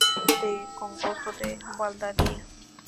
Pertenece al municipio de Congosto de Valdavia.